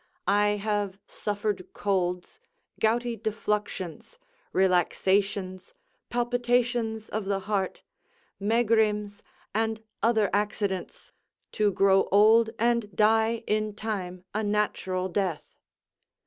I have suffered colds, gouty defluxions, relaxations, palpitations of the heart, megrims, and other accidents, to grow old and die in time a natural death.